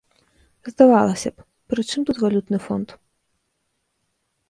Здавалася б, пры чым тут валютны фонд?